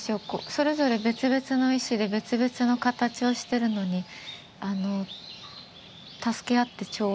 それぞれ別々の石で別々の形をしてるのに助け合って調和してるみたいに見えますね。